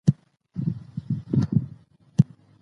خود پوهه د فرد او ټولنې ترمنځ ارتباط زیاتوي.